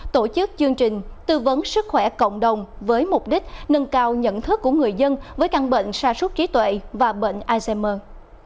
tổ chức chương trình tư vấn sức khỏe cộng đồng với mục đích nâng cao nhận thức của người dân với căn bệnh xa suốt trí tuệ và bệnh alzheimer